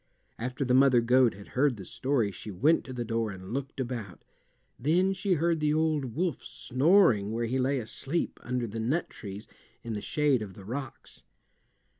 After the mother goat had heard the story she went to the door and looked about. Then she heard the old wolf snoring where he lay asleep under the nut trees in the shade of the rocks.